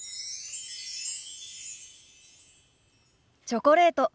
チョコレート。